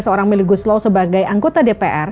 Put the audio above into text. seorang meli guslo sebagai anggota dpr